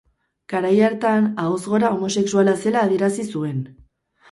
Garai hartan, ahoz gora homosexuala zela adierazi zuen.